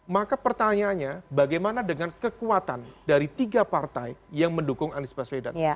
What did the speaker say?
maka pertanyaannya bagaimana dengan kekuatan dari tiga partai yang mendukung anies baswedan